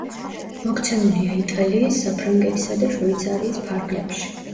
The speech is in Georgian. მოქცეულია იტალიის, საფრანგეთისა და შვეიცარიის ფარგლებში.